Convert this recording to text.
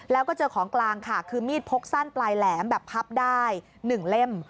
แล้วก็เจอของกลางค่ะคือมีดพกสั้นปลายแหลมแบบพับได้๑เล่ม